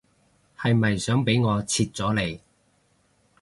係咪想俾我切咗你